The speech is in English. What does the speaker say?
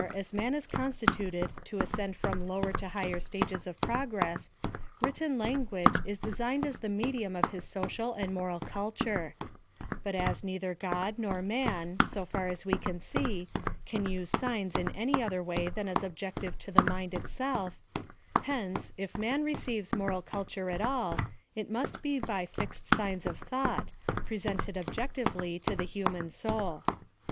^ as man is constituted to ascend from lower to higher stages of progress, written language is designed as the medium of his •social and moral culture ; but as neither God nor man, so far as we can see, can use signs in any other way than as objective to the mind itsclfj hence, if man receives moral culture at all, it must be by fixed signs of thought, presented objectively to the human soul.